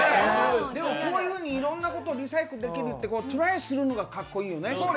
こういうふうにいろんなことをリサイクルできる、トライするってかっこいいよね。